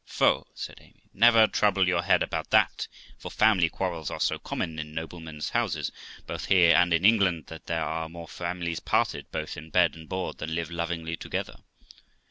' Pho 1 ' said Amy ;' never trouble your head about that, for family quarrels are so common in noblemen's houses, both here and in England, that there are more families parted, both in bed and board, than live lovingly together.